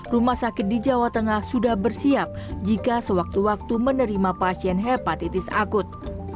rumah sakit di jawa tengah sudah bersiap jika sewaktu waktu menerima pasien hepatitis akut